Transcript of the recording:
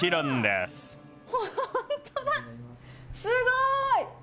すごい！